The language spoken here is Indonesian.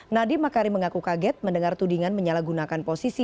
nadiemah karim mengaku kaget mendengar tudingan menyalahgunakan posisi